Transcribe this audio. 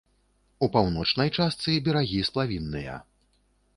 У паўночнай частцы берагі сплавінныя.